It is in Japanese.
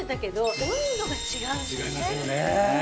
違いますよね。